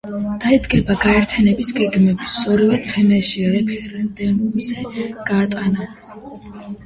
დაიგეგმა გაერთიანების გეგმის ორივე თემში რეფერენდუმზე გატანა.